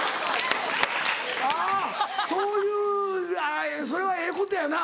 あそういうそれはええことやな。